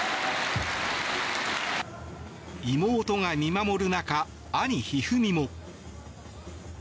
妹が見守る中兄・一二三も。